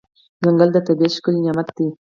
ځنګل د طبیعت ښکلی نعمت دی.